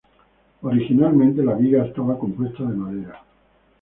Originalmente, la viga estaba compuesta de madera.